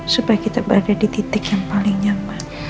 supaya kita berada di titik yang paling nyaman